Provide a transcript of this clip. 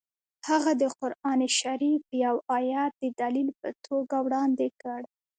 هغه د قران شریف یو ایت د دلیل په توګه وړاندې کړ